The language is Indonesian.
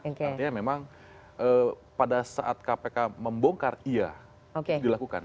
artinya memang pada saat kpk membongkar iya dilakukan